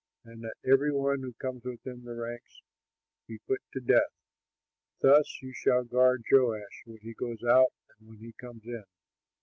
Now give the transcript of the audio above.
And let every one who comes within the ranks be put to death. Thus you shall guard Joash, when he goes out and when he comes in."